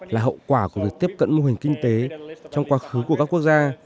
là hậu quả của việc tiếp cận mô hình kinh tế trong quá khứ của các quốc gia